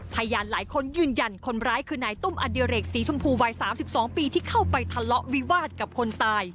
พยานหลายคนยืนยันคนร้ายคือนายตุ้มอดิเรกสีชมพูวัย๓๒ปีที่เข้าไปทะเลาะวิวาสกับคนตาย